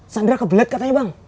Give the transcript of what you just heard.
sandra kebelet katanya bang